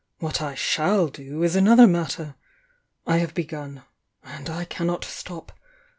What I shall do is another matter! I have begun— and I cannot atop.